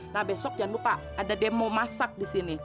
nah besok jangan lupa ada demo masak disini